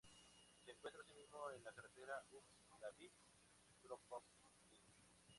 Se encuentra asimismo en la carretera Ust-Labinsk-Kropotkin.